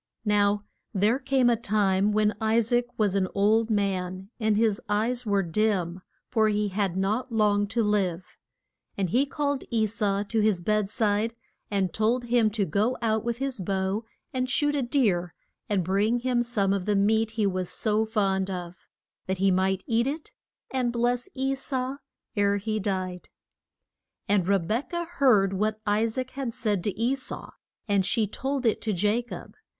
Now there came a time when I saac was an old man, and his eyes were dim, for he had not long to live. And he called E sau to his bed side and told him to go out with his bow and shoot a deer and bring him some of the meat he was so fond of, that he might eat it and bless E sau ere he died. And Re bek ah heard what I saac had said to E sau, and she told it to Ja cob.